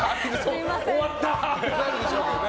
終わったーってなるでしょうね。